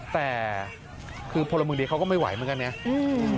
แต่คือพลเมืองดีเขาก็ไม่ไหวเหมือนกันไง